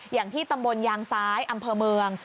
อย่างที่ตำบลยางซ้ายอำเภอเมือง